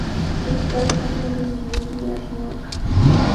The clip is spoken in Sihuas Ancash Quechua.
Ishkay hatun rinriyuqmi ashnuqa.